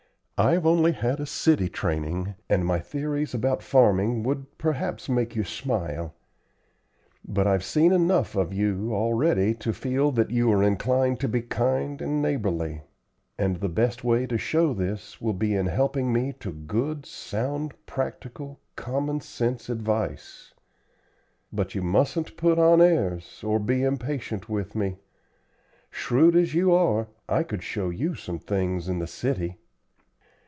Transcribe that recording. I've only had a city training, and my theories about farming would perhaps make you smile. But I've seen enough of you already to feel that you are inclined to be kind and neighborly, and the best way to show this will be in helping me to good, sound, practical, common sense advice. But you mustn't put on airs, or be impatient with me. Shrewd as you are, I could show you some things in the city."